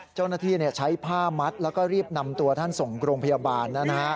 เจ้าหน้าที่ใช้ผ้ามัดแล้วก็รีบนำตัวท่านส่งโรงพยาบาล